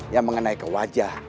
yang mengenai kewajah